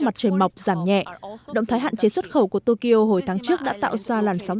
mặt trời mọc giảm nhẹ động thái hạn chế xuất khẩu của tokyo hồi tháng trước đã tạo ra làn sóng